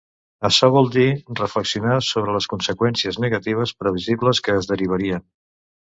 Açò vol dir reflexionar sobre les conseqüències negatives previsibles que es derivarien.